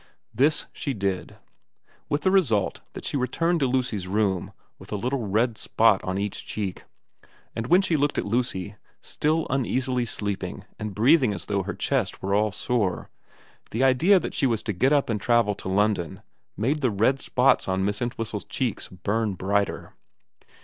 This she did, with the result that she returned to Lucy's room with a little red spot on each cheek ; and when she looked at Lucy, still uneasily sleeping and breathing as though her chest were all sore, the idea that she was to get up and travel to London made the red spots on Miss Entwhistle's cheeks burn brighter.